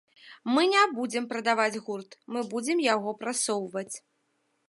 Мы не будзем прадаваць гурт, мы будзем яго прасоўваць.